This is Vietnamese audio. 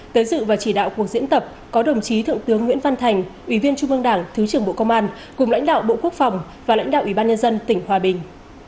tới dự và chỉ đạo cuộc diễn tập có đồng chí thượng tướng nguyễn văn thành ủy viên trung ương đảng thứ trưởng bộ công an cùng lãnh đạo bộ quốc phòng và lãnh đạo ủy ban nhân dân tỉnh hòa bình